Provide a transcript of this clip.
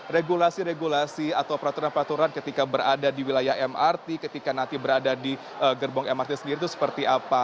regulasi regulasi atau peraturan peraturan ketika berada di wilayah mrt ketika nanti berada di gerbong mrt sendiri itu seperti apa